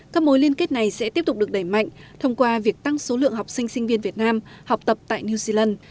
các mối liên kết này sẽ tiếp tục được đẩy mạnh thông qua việc tăng số lượng học sinh sinh viên việt nam học tập tại new zealand